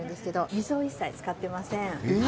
水を一切、使っていません。